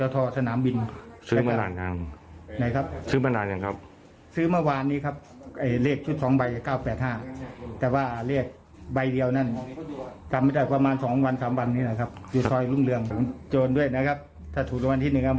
ต้องขอขอบคุณคุณสุประโชคมากอะไรฮะอะไรฮะ